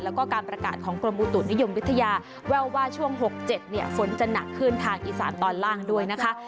แล้วก็การประกาศของกรมอุตุนิยมวิทยาแววว่าช่วง๖๗ฝนจะหนักขึ้นทางอีสานตอนล่างด้วยนะคะ